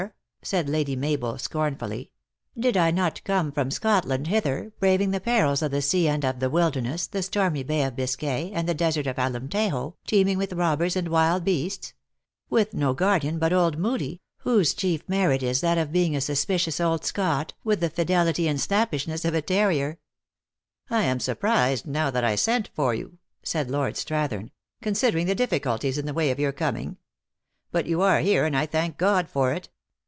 said Lady Mabel, scornfully. "Did 1 not come from Scotland hither, braving the perils of 5* 114 THE ACTKESS IN HIGH LIFE. the sea and of the wilderness, the stormy Bay of Biscay, and the desert of Alemtejo, teeming with robbers and wild beasts ? With no guardian but old Moodie, whose chief merit is that of being a sus picious old Scot, with the fidelity and snappishness of a terrier." "I am surprised now that I sent for you," said Lord Strathern, " considering the difficulties in the way of your coming. But you are here, and I. thank God for it.